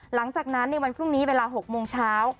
หลังจากนั้นในวันพรุ่งนี้เวลา๖โมงเช้า